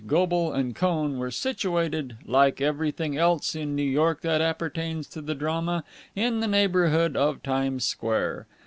Goble and Cohn were situated, like everything else in New York that appertains to the drama, in the neighbourhood of Times Square.